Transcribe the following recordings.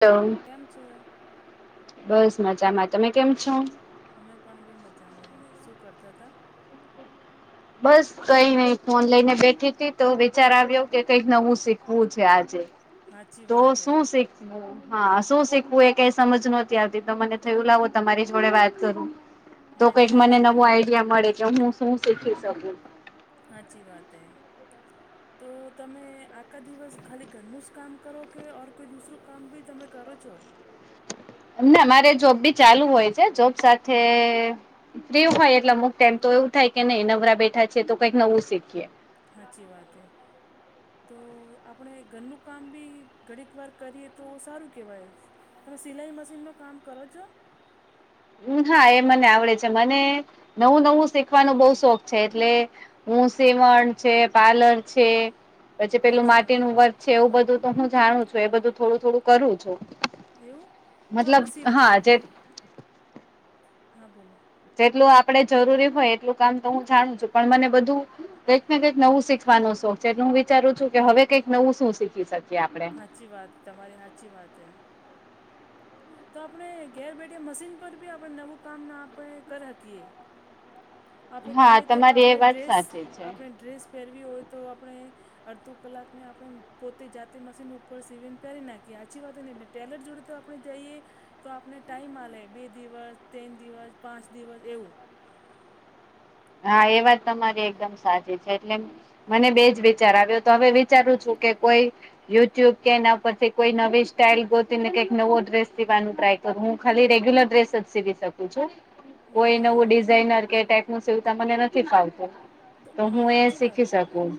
હ બસ મજામાં તમે કેમ છો અમે પણ બી મજા મે શું કરતા હતા બસ કઈ ન ફોન લઈને બેઠી હતી તો વિચાર આવ્યો કે કઈક નવું શીખવું છે આજે તો શું શીખવું હા શું શીખ હું એ કઈ સમજ નતી આવતી તો મને થયું લાવો તમારી જોડે વાત કરું તો કઈક મને નવું આઈડિયા મળે કે હું શું શીખી શકું હાચી વાત હૈ તો તમે આખા દિવસ ખાલી ઘરનું જ કામ કરો કે ઓર કોઈ દુસરું કામ બી તમે કરો છો મ ના મારે જોબ બી ચાલુ હોય છે જોબ સાથે ફ્રીું હોય એટલેમુક તેમમ તો એવું થાય કે નહી નવરા બેઠા છે તો કઈક નવું શીખીએ હાચી વાત હૈ તો આપણે ઘરનું કામ બી ઘણીક વાર કરીએ તો સારું કહેવાય તમે સિલાઈ મશીનનું કામ કરો છો હમ હા એ મને આવડે છે. મને નવું નવું શીખવાનો બહુ શોખ છે એટલે હું સેવાન છે પાર્લર છે પ પેલું માટીનું વર્ક છે એવું બધું તો હું જાણું છું એ બધું થોડું થોડું કરું છું મતલબ હા જે હાચે હા બોલો. જેટલું આપડે જરૂરી હોય એટલું કામ તો હું જાણું છું. પણ મને બધું કંઈક ને કંઈક નવ નવું શીખવાનો શોખ છે. એટલે હું વિચારું છું કે હવે કંઈક નવું શું શીખી શકીએ આપણે. સાચી વાત તમારી હાચી વાત હે. તો આપણે ઘેર બેઠે મશીન પર બી આપણે નવું કામ આપણે કર હકીએ. આપણે ગમે તે આપણે ડ્રેસ આપણે ડ્રેસ પહેરવી હોય તો આપણે અડધો કલાકને આપણે પોતે જાતે મશીન ઉપર સીવન પેરી નાખીએ હાચી વાત એ નહીં? ને ટેલર જોડે તો આપ આપણે જઈએ તો આપને ટાઈમ આલે બે દિવસ, તેણ દિવસ, પાંચ દિવસ એવું. હા એ વાત તમારી એકદમ સાચી છે. એટલે મને બેજ વિચાર આવ્યો તો હવે વિચારું છું કે કોઈ યુટ્યુબ કે એના પરથી કોઈ નવી સ્ટાઈલ ગોતી ને કંઈક નવો ડ્રેસ સીવાનું ટ્રાય કરું. હું ખાલી રેગ્યુલર ડ્રેસ જ સીવી શકું છું. કોઈ નવું ડિઝાઇનર કે એ ટાઈપનું સીવતા મને નથ નથી ફાવતું. તો હું એ શીખી શકું.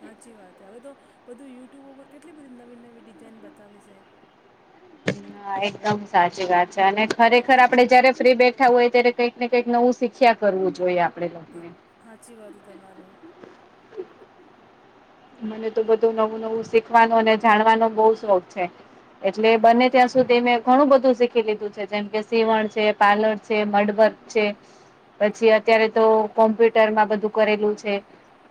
હાચી વાત હે. હવે તો બધું યુટ્યુબ ઉપર કેટલી બધી નવી નવી ડિઝાઇન બતાવે સે. હા એકદમ સાચી વાત છે. અને ખરેખર આપડે જયારે ફ્રી બેઠા હોય ત્યારે કંઈક ને કંઈક નવું શીખ્યા કરવું જોઈએ આપણે લોકને. હાચી વાત હે તમારી. મને તો બધું નવું નવું શીખવાનો ને જાણવાનો બહુ શોખ છે. એટલે બંને ત્યાં સુધી મેં ઘણું બધું શીખી લીધું છે. જેમ કે સીવણ છે, પાર્લર છે, મઢવર્ક છે. પછી અત્યારે તો કોમ્પ્યુટરમાં બધું કરેલું છે.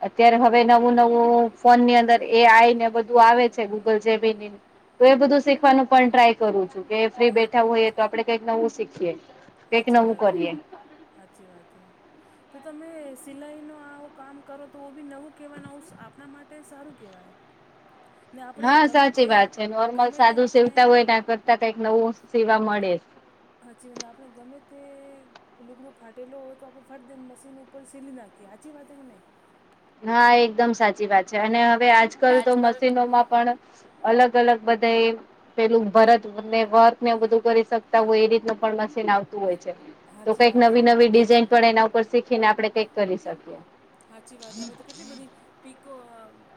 અત્યારે હવે નવું નવું ફોનની અંદર એઆઈ ને બધું આવે છે ગૂગલ જેમીની ને તો એ બધું શીખવાનું પણ ટ્રાય કરું છું. કે ફ્રી બેઠા હોઈએ તો આપડે કંઈક નવું શીખીએ. હાચી વાત હે. હાચી વાત હે. તો તમે સિલાઈનું આવો કામ કરો તો બી નવું કહેવાનું આવું આપણા માટે સારું કહેવાય. હ હા સાચી વાત છે. નોર્મલ સાદું સીવતા હોય એના કરતા કંઈક નવું સીવા મળે. હાચી વાત આપણે ગમે તે કોઈ લૂગડું ફાટેલો હોય તો આપે ફટ દઈને મશીન ઉપર સીલી નાખીએ હાચી વાતે કે નહીં? હા એકદમ સાચી વાત છે. અને હવે આજકલ તો મશીનોમાં પણ અલગ અલગ બધે પેલું ભરતને વર્કને એવું બધું કરી શકતા હોય એ રીતનું પણ મશીન આવતું હોય છે. તો કંઈક નવી નવી ડિઝાઇન પણ એના ઉપર શીખીને આપણે કઈક કરી શકીએ. હાચી વાત હે હવે તો કેટલી બધી પીકો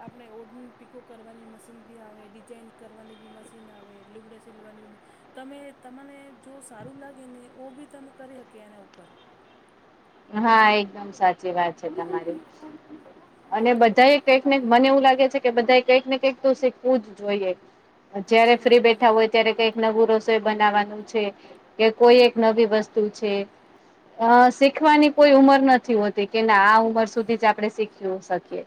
આપણે ઓઢણી પીકો કરવાની મશીન બી આવે, ડિઝાઇન કરવાની બી મશીન સીન આવે લુગડા સિલવાની બી તમે તમને જો સારું લાગે ને ઓ બી તમે કરી હકી એના ઉપર હા એકદમ સાચી વાત છે તમારી. અને બધ બધાએ કંઈક ને મને એવું લાગે છે કે બધાએ કંઈક ને કંઈક તો શીખવું જ જોઈએ. જયારે ફ્રી બેઠા હોય અત્યારે કઈક નવું રસોઈ બનાવાનું છે, કે કોઈ એક નવી વસ્તુ છે. અ શીખવાની કોઈ ઉંમર નથી હોતી કે ના આ ઉંમર સુધી જ આપણે શીખ્યું શકીએ.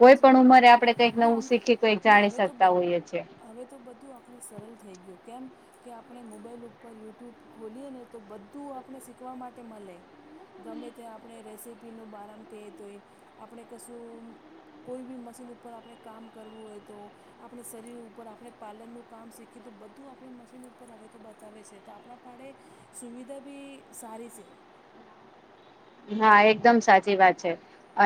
કોઈ પણ ઉંમરે આપડે કંઈક નવું શીખી કઈ જાણી શકતા હોઈએ છીએ. હવે તો બધું આપણે સરળ થઈ ગયું કેમ કે આપણે મોબાઈલ ઉપર યુટ્યુબ ખોલીએ ને તો બધું આપણે શીખવા માટે મલે. ગમે ત્યાં આપણે રેસીપીનું બારમ કે તોય આપણે કશું કોઈ બી મશીન ઉપર આપણે કામ કરવું હોય તો આપણે શરીર ઉપર આપણે પાર્લરનું કામ શીખી તો બધું આપણે મશીન ઉપર હવે તો બતાવે છે તો આપણા પાડે સુવિધા ભી સારી સે. હા એકદમ સાચી વાત છે.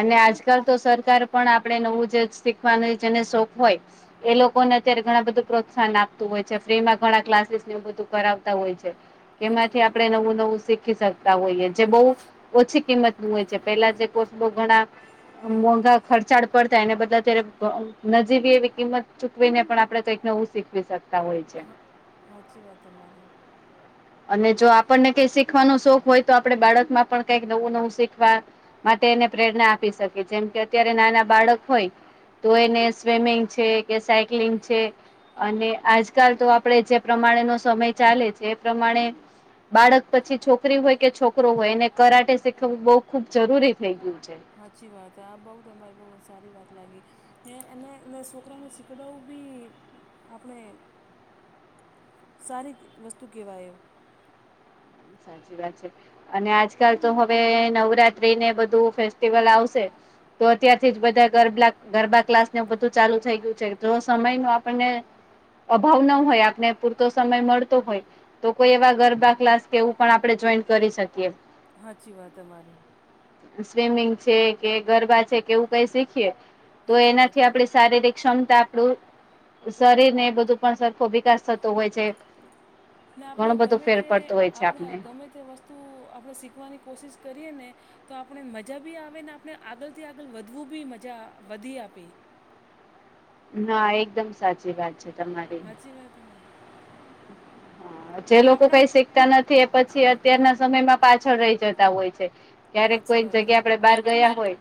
અને આજકાલ તો સરકાર પણ આપડે નવું જે શીખ વાને જેને શોખ હોય. એ લોકોને અત્યારે ઘણા બધું પ્રોત્સાહન આપતું હોય છે ફ્રીમાં ઘણા ક્લાસીસવ બધું કરાવતા હોય છે. એમાંથી આપડણે નવું નવું શીખી શકીએ. તા હોયએ જે બહુ ઓછી કિંમત નુ હોય છે પેલા જે પોતનુ ઘણા મોંઘા ખર્ચાડ પડ થાય એને બદા બ અયારે નજીવી એવી કિંમત ચૂકવીને પણ આપણે કંઈકનેવું શીખ તે શકતા હોય છે. સાાચી વાત તમારી. અને જો આપણને કઈ શીખવાનો શોખ હોય તો આપણે બાળકમાં પણ કઈક નવું નવું શીખવા માટે એને પ્રેરણા આપી શકે જેમ કે અત્યારે નાના બાળક હોય. તો એને સ્વિમિંગ છે. કે સાયક્લિંગ છે અને આજકાલ તો આપડે જે પ્રમાણે નો સમય ચાલે છે. પ્રમાણે બાળક પછી છોકરી હોય કે છોકરો હોય એને કરાટે શીખવું બહુ ખુબ જરૂરી થઈ ગયું છે. સાાચી વાત આ બહુ તમારે બહુ સારી વાત લાગી એ એને એને છોકરાને શીખડાવુ બી આપણે સારી વસ્તુ કેવાય. સાચી વાત છે અને આજ ચાલ તો હવે નવરાત્રી ને બધું ફેસ્ટિવલ આવશે. તો અત્યારથી જ બધા ગરબલા ગરબા ક્લાસ ને બધું ચાલુ થઈ ગયું છે. જો સમય નું આપણને અભાવ ન હોય આપને પૂરતો સમય મળતો હોય તો કોઈ એવા ગરબા ક્લાસ કેવું પણ આપણે જોઈન કરી શકીએ. સાાચી વાત તમારી. સ્વમિંગ છે. કે ગરબા છે કે એવું કઈ શીખીએ તો એનાથી આપડી શારીરિક ક્ષમતા આપણું. શરીર ને બધું પણ સરખો વિકાસ થતો હોય છે. ના આપણે ગમે તે આપણે ગમ અમે તે વસ્તુ આપણે શીખવાની કોશિશ કરીએ ને તો આપણે મજા બી આવે ને આપણે આગળથી આગળ વધવું બી મજા વધી આપે ના એકદમ સાચી વાત છે તમારી. જે વાત નહિ. જે લોકો કઈ શીખતા નથી એ પછી અત્યારના સમયમાં પાછળ રહી જતા હોય છે. ક્યારેક કોઈ જગ્યા આપડે બહાર ગયા હોય.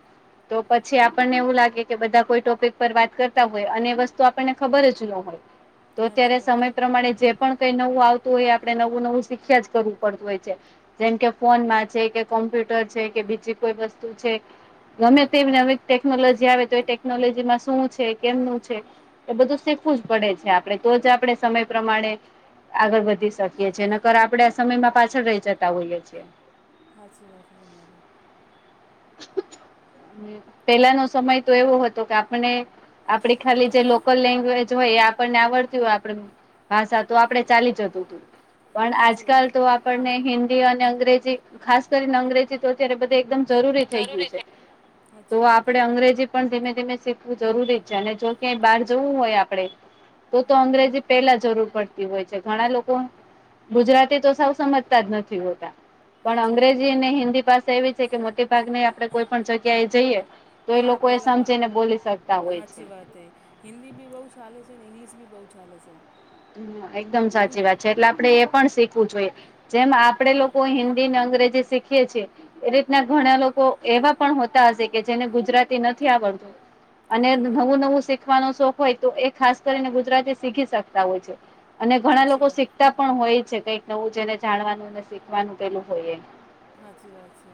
તો પછી આપણને એવું લાગે કે બધા કોઈ ટોપિક પર વાત કરતા હોય અને એ વસ્તુ આપણને ખબર જ ન હોય. તો ત્યારે સમય પ્રમાણે જે કઈ નવું આવતું હોય આપડણે નવું નવું શીખ્યા જ કરવું પડતું હોય છે. જેમ કે ફોનમાં છે કે કોમ્પ્યુટર છે કે બીજી કોઈ વસ્તુ છે. ગમે તે એનેવે ટેકનોલોજી આવે તો એ ટેકનોલોજી માં શું છે. કેમનું છે એ બધું શીખવું જ પડે છે આપણેે તો જ આપણે સમય પ્રમાણે આગળ વધી શકીએ છેએ અને ખર આપડે આ સમયમાં પાછળ રહી જતા હોઈએ છીએ. હાચી વાત છે તમારી પેલાનો સમય તો એવો હતો કે આપને. આપડી ખાલી જે લોકલ લેંગ્વેજ હોય એ આપણને આવડતી હોય આપડ ભાષા તો આપડે ચાલી જતું હતું પણ આજકાલ તો આપને હિન્દી અને અંગ્રેજી ખાસ કરીને અંગ્રેજી તો અત્યારે બધ એકદમ જરૂરી થઈ ગયું છે તો આપડે અંગ્રેજી પણ ધીમે ધીમે શીખવું જરૂરી. અને જો ક્યાંય બહાર જવું હોય આપણે. તો તો અંગ્રેજી પેલા જરૂર પડતી હોય છે ઘણા લોકો ગુજરાતી તો સાૌ સમજતા જ નથી હોતા પણ અંગ્રેજી અને હિન્દી ભાષા એવી છે કે મોટી ભ આપે કોઈ પણ જગ્યા એ જઈએ તો એ લોકો એ સમજીને બોલી શકતા હોય છે. હિન્દી બી બહુ ચાલે છે ને ઇંગ્લિશ બી બહુ ચાલે છે. એકદમ સાચી વાત છે એટલે આપડે એ પણ શીખવું જોઈએ જેમ આપડે લોકો. હિન્દી ને અંગ્રેજી શીખીે છીએ એ રીતના ઘણા લોકો એવા તા હશે કે જેને ગુજરાતી નથી આવડતું અને નવું નવું સે શોખ હોય તો એ ખાસ કરીને ગુજરાતી શીખી શકતા હોય છે અને ઘણા લોકો શીખતા પણ હોય જ કઈક નવું જને જાણવાનું ને શીખવાનું પેલું હોય એમ. હાચી વાત છે.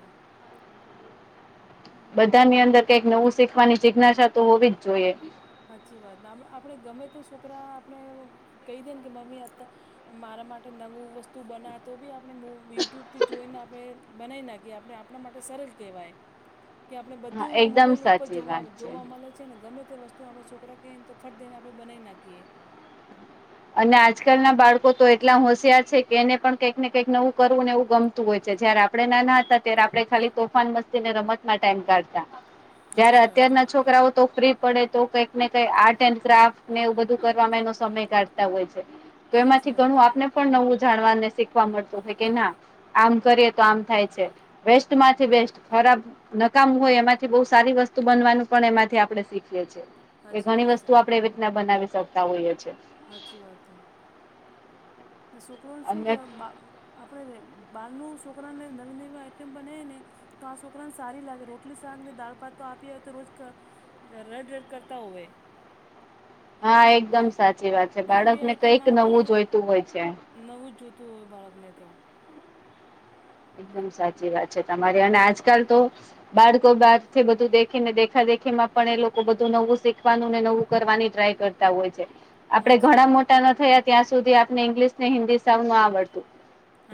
બધાની અંદર કઈક નવું શીખવાની જિજ્ઞાસા તો હોવી જ જોઈએ. સાચી વાત આપ આપણે ગમે તે છોકરા આપણે કહી દઈએને કે મમ્મી આ તો મારા માટે નવું વસ્ તું બના તો બી આપણે યુટ્યુબથી જોઈને આપણે બનાવી નાખીએ આપણે આપણા માટે સરળ કહેવાય. કે આપણે બધું મોબાઈલ ઉપર જોવા જોવા મલે છે ને ગમે તે વસ્તુ આપણેે છોકરા કહીએ ને તો ફટ દઈને આપણે બનાવી નાખીએ. અને આજકાલ ના બાળકો તો એટલા હોશિયાર છે કે એને પણ કંઈક ને કંઈક નવું કરવું ને એવું ગમ હોય છે જયારે આપણે ના ના હતા ત્યારે આપણે ખાલી તોફાન મસ્તીને રમત ટાઈમ કાઢતા જયારે અત્યારના છોકરાઓ તો ફ્રી પડે તો કઈક ને કઈક આ તો એવું બધુંવામાંનો સમય કાઢતા હોય છે તો એમાંથી ઘણું આપને પણ નવું જાણવાને શીખવા મળતું હો કે ના આમ કરીએ તો આમ થાય છે. વેસ્ટ માંથી બેસ્ટ ખરાબ નકામ હોય એમાંથી બહ સારી વસ્તુ બનવાનું પણ એમાંથી આપડણે શીખીએ છીએ. એ ઘણી વસ્તુ આપડણે એવી રીતના બનાવી શકતા હોઈએ છીએ. હાચી વાત છે. ને છોકરાને શું કહેવાય બા આપણે બાળનું છોકરાને નવી નવી આઈટમ બનાવી ને. તો આ છોકરાને સારી લાગે રોટલી શાક ને દાળ ભાતો આપી હોય તો રોજ. રેડ રેડ કરતા હોય. હા એકદમ સાચી વાત છે બાળક ને કઈક નવું જોઈતું હોય છે. નવું જ જોતું હોય બાળકને તો. એકદમ સાચી વાત છે તમારી અને આજકાલ તો બાળકો બહારથી બધું દેખીને દેખા દેખ. પણ એ લોકો બધું નવું શીખવાનું ને નવું કરવાની ટ્રાય કરતા હોય છે. આપડણે ઘણા મોટા ના થયા ત્યાં સુધી આપને ઈંગ્લિશ ને હિન્દી સાનું આવડતું.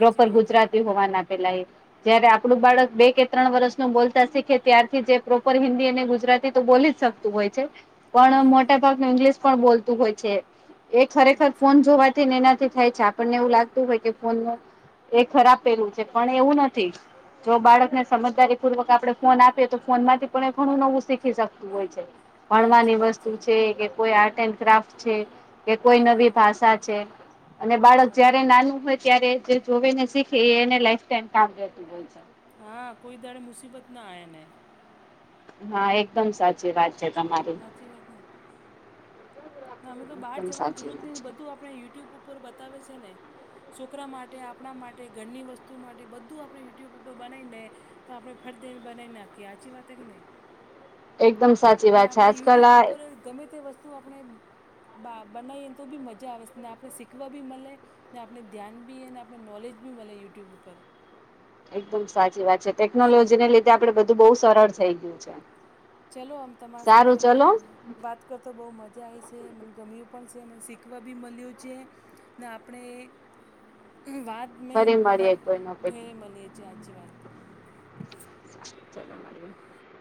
પ્રોપર ગુજરાતી હોવાના પેલા એ. જયારે આપણું બાળક બે કે ત્રણ વર્ષ ન બોલતા શીખે ત્યારથી જે પ્રોપર હિન્દી અને ગુજરાતી તો બોલી જ શકતું હોય છે પણ મોટા ભાગનું ઇંગ્લિશ પણ બોલતું હોય છે. એ ખરેખર ફોન જોવા. એનાથી થાય છે આપણને એવું લાગતું હોય કે ફોન એ ખરાબ પેલું. પણ એવું નથી. જો બાળકને સમજદારી પૂર્વક આપણે ફોન આપીએ તો ફોન માંથી પણ ઘણું નવું શીખી શકતું હોય છે. ભણવાની વસ્તુ છે કે કોઈ આર્ટ એન્ડ ક્રાફ્ટ છે. કે કોઈ નવી ભાષા છે અને બાળક જયારે નાનું હોય. અત્યારે જે જોવે ને શીખે એને લાઈફ ટાઈમ કામ રહેેતું હોય છે. હા કોઈ દાણા મુસીબત ના આ્યા ને. હા એકદમ સાચી વાત છે તમારી. અમે તો બહાર જવાની જરૂરત નહી બધું આપણે યુટ્યુબ ઉપર બતાવે છે ને. છોકરા માટે આપણા માટે ઘરની વસ્તુ માટે બધું આપણે યુટ્યુબ ઉપર બનાવીને. તો આપડણે ફળ દેને બનાવી નાખીએ આચી વાત કે નહી. આપણે યુટ્યુબ ઉપર ગમે તે વસ્તુ આપણે. બા બનાવીએને તો બી મજા આવે ને આપણે શીખવા બી મળે. ના આપણે ધ્યાન ભ એ ના આપણે નોલેજ ભ મળે યુટ્યુબ ઉપર. એકદમ સાચી વાત છે ટેકનોલોજી ને લીધે આપડેધું બહુ સરળ થઈ ગયું છે. ચલો આમ તમારા સાથે મને વાત કરતો બહુ મજા આવે છે મને ગમ્યું પણ છે મને શીખવા બી મળ્યું છે. ને આપણે વાત બાદમે ફેરે મળ લીએ છે આચી વાત.